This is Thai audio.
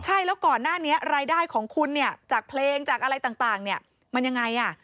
ใช่แล้วก่อนหน้านี้รายได้ของคุณเนี่ยจากเพลงจากอะไรต่างเนี่ยมันยังไงอ่ะ